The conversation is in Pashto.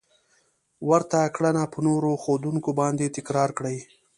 ورته کړنه په نورو ښودونکو باندې تکرار کړئ.